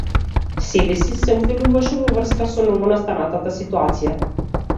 Себеси се обвинуваше во врска со новонастанатата ситуација.